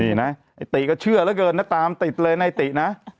นี่นะไอ้ติก็เชื่อเหลือเกินนะตามติดเลยในตินะ